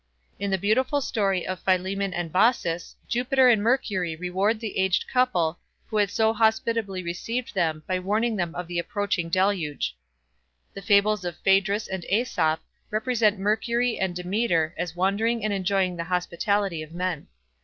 In the beautiful story of Philemon and Baucis, Jupiter and Mercury reward the aged couple who had so hospitably received them by warning them of the approaching deluge. The fables of Phaedrus and Aesop represent Mercury and Demeter as wandering and enjoying the hospitality of men.